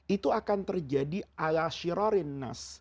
itu akan terjadi ala syirrorin nas